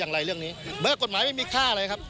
อย่างไรเรื่องนี้แม้กฎหมายไม่มีค่าเลยครับ